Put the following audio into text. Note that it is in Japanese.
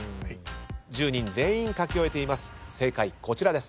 １０人全員書き終えています。